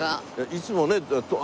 いつもね。